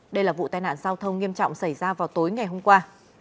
đây là vụ tai nạn giao thông nghiêm trọng xảy ra vào tối ngày hôm qua